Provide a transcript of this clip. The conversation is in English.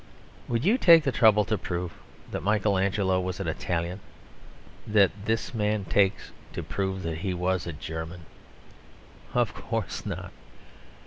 Would you take the trouble to prove that Michael Angelo was an Italian that this man takes to prove that he was a German? Of course not.